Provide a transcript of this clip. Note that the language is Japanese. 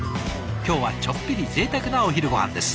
今日はちょっぴりぜいたくなお昼ごはんです。